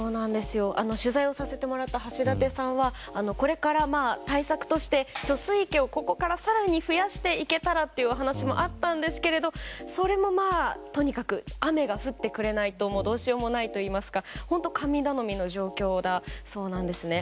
取材させてもらった外立さんはこれから対策として貯水池をここから更に増やしていけたらというお話があったんですけどそれもとにかく雨が降ってくれないとどうしようもないといいますか本当に神頼みの状況だそうです。